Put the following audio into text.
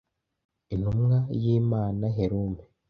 Intumwa y'Imana Herume